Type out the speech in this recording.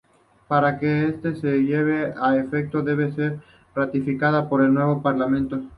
Para que esta se lleve a efecto, debe ser ratificada por el nuevo parlamento.